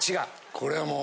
これはもう。